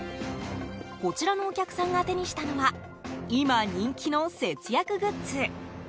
こちらのお客さんが手にしたのは今、人気の節約グッズ